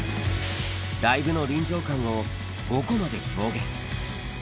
ライブの臨場感を、５コマで表現。